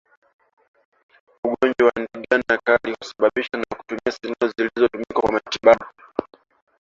Ugonjwa wa ndigana kali husababishwa na kutumia sindano zilizotumika kwa matibabu